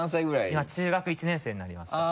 今中学１年生になりました。